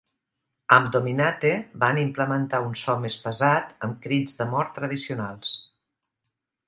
Amb "Dominate" van implementar un so més pesat amb crits de mort tradicionals.